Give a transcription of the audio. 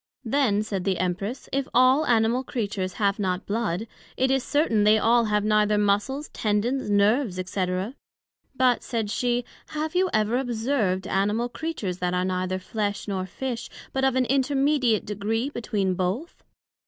Then said the Empress, If all Animal Creatures have not blood, it is certain, they all have neither Muscles, tendons, nerves, &c. But, said she, Have you ever observed Animal Creatures that are neither flesh, nor Fish, but of an intermediate degree between both?